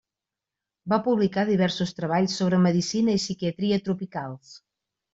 Va publicar diversos treballs sobre medicina i psiquiatria tropicals.